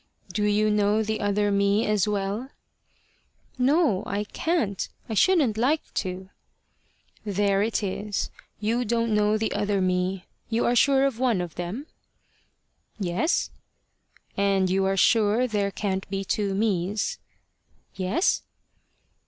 "Do you know the other me as well?" "No. I can't. I shouldn't like to." "There it is. You don't know the other me. You are sure of one of them?" "Yes." "And you are sure there can't be two mes?" "Yes."